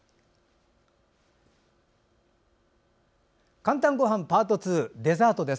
「かんたんごはん」パート２、デザートです。